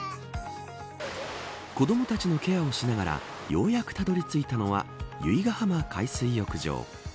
子どもたちのケアをしながらようやくたどり着いたのは由比ガ浜海水浴場。